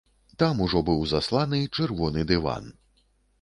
Там ужо быў засланы чырвоны дыван.